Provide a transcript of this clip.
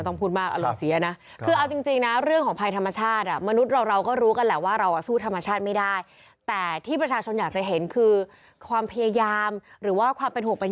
โอเคละพูดมากอะอารมณ์เสียก็